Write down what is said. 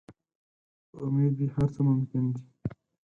که امید وي، هر څه ممکن دي.